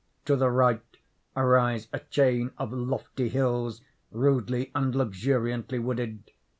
To the right arise a chain of lofty hills rudely and luxuriantly wooded.